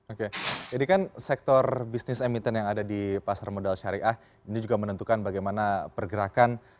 oke jadi kan sektor bisnis emiten yang ada di pasar modal syariah ini juga menentukan bagaimana pergerakan